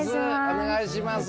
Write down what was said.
お願いします。